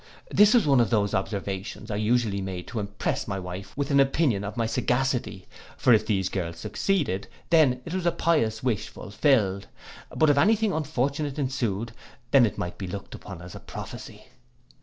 This was one of those observations I usually made to impress my wife with an opinion of my sagacity; for if the girls succeeded, then it was a pious wish fulfilled; but if any thing unfortunate ensued, then it might be looked upon as a prophecy.